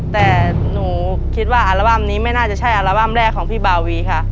แต่หนูคิดว่าอัลบั้มนี้ไม่น่าจะใช่อัลบั้มแรกของพี่บาวีค่ะ